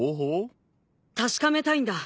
確かめたいんだ。